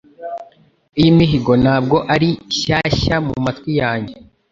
Iyi mihigo ntabwo ari shyashya mu matwi yanjye